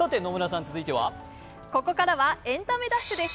ここからは「エンタメダッシュ」です。